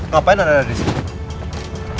ngapain anda ada disini